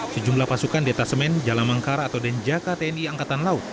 sejumlah pasukan detasemen jalamangkara atau denjaka tni angkatan laut